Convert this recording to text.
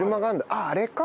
あっあれか？